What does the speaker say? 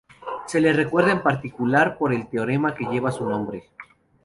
Se le recuerda en particular por el teorema que lleva su nombre.